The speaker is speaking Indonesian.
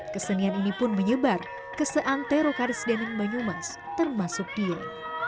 kesenian ini pun menyebar keseantai rokaris diening banyumas termasuk dien